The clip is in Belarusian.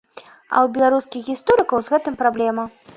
А ў беларускіх гісторыкаў з гэтым праблема.